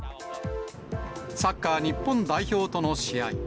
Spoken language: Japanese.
サッカー日本代表との試合。